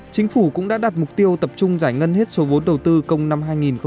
chính phủ cũng đã đặt mục tiêu tập trung giải ngân hết số vốn đầu tư công năm hai nghìn hai mươi